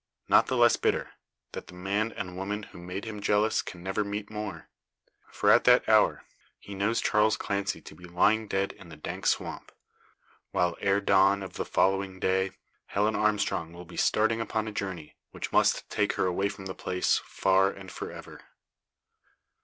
Not the less bitter, that the man and woman who made him jealous can never meet more. For, at that hour, he knows Charles Clancy to be lying dead in the dank swamp; while, ere dawn of the following day, Helen Armstrong will be starting upon a journey which must take her away from the place, far, and for ever.